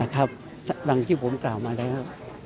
ดังที่ผมกล่าวมาแล้ว